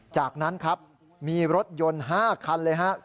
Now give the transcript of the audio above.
จากนั้นครับมีรถยนต์๕คันเลยครับ